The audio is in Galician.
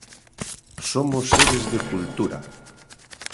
Somos seres de cultura.